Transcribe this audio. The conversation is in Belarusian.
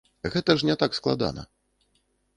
Гэта ж не так складана.